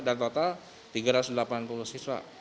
dan total tiga ratus delapan puluh siswa